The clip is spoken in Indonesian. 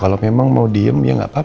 kalau memang mau diem ya gak apa apa diem